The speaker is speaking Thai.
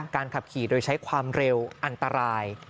ขับขี่โดยใช้ความเร็วอันตราย